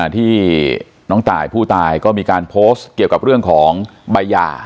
ที่น้องตายผู้ตายก็มีการโพสต์เกี่ยวกับเรื่องของใบหย่า